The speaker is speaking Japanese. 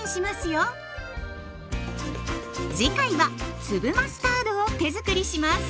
次回は粒マスタードを手づくりします。